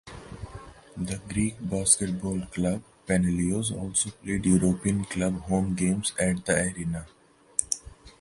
The Greek basketball club Panellinios also played European cup home games at the arena.